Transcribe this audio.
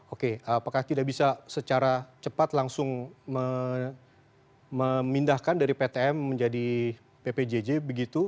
oke apakah tidak bisa secara cepat langsung memindahkan dari ptm menjadi ppjj begitu